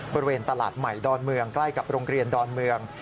บริเวณตลาดใหม่ดอนเมืองใกล้กับโรงเรียนดอนเมือง